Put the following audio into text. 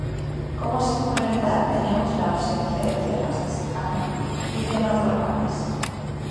Como singularidad tenemos la ausencia de tierras de secano y de matorrales.